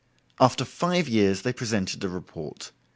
After five years they presented a report.